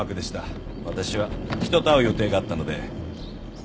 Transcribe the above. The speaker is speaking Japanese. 私は人と会う予定があったので。